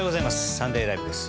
「サンデーＬＩＶＥ！！」です。